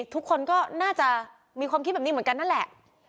ทุกคนก็น่าจะมีความคิดแบบนี้เหมือนกันนั่นแหละ